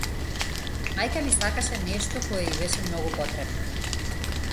Мајка ми сакаше нешто кое ѝ беше многу потребно.